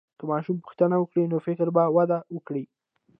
که ماشوم پوښتنه وکړي، نو فکر به وده وکړي.